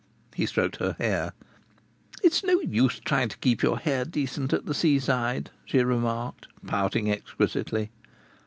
He stroked her hair. "It's no use trying to keep your hair decent at the seaside," she remarked, pouting exquisitely.